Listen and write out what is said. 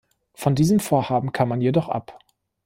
Von diesem Vorhaben kam man jedoch ab.